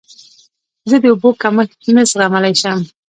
زه د اوبو کمښت نه زغملی شم.